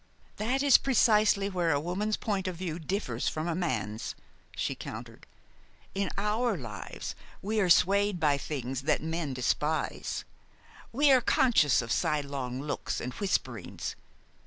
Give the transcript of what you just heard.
"That is precisely where a woman's point of view differs from a man's," she countered. "In our lives we are swayed by things that men despise. We are conscious of sidelong looks and whisperings.